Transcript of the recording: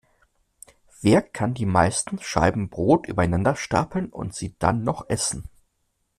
Wer kann die meisten Scheiben Brot übereinander stapeln und sie dann noch essen?